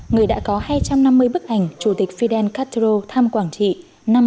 người đã có hai trăm năm mươi bức ảnh chủ tịch fidel castro thăm quảng trị năm một nghìn chín trăm bảy mươi ba